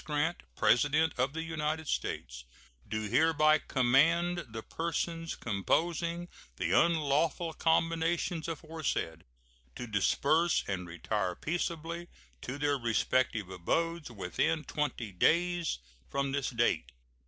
Grant, President of the United States, do hereby command the persons composing the unlawful combinations aforesaid to disperse and retire peaceably to their respective abodes within twenty days from this date.